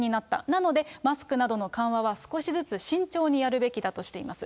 なので、マスクなどの緩和は少しずつ慎重にやるべきだとしています。